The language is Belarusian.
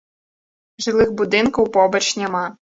Жылых будынкаў побач няма.